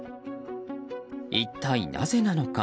一体なぜなのか？